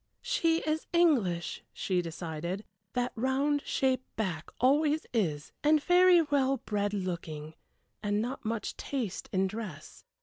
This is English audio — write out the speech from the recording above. "She is English," she decided; "that round shaped back always is and very well bred looking, and not much taste in dress.